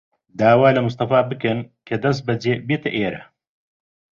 داوا لە مستەفا بکەن کە دەستبەجێ بێتە ئێرە.